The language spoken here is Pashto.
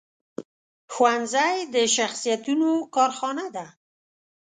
ښوونځی د شخصیتونو کارخانه ده